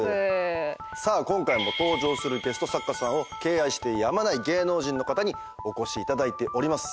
さあ今回も登場するゲスト作家さんを敬愛してやまない芸能人の方にお越しいただいております。